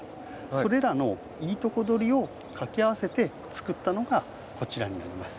それらのいいとこどりをかけ合わせて作ったのがこちらになります。